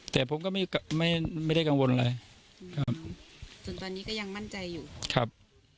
แต่ผมก็ไม่ไม่ไม่ได้กังวลอะไรครับจนตอนนี้ก็ยังมั่นใจอยู่ครับ